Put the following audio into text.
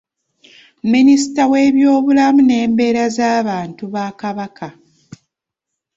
Minisita w’ebyobulamu n’embeera z’abantu ba Kabaka.